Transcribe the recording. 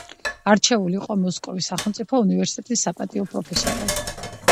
არჩეული იყო მოსკოვის სახელმწიფო უნივერსიტეტის საპატიო პროფესორად.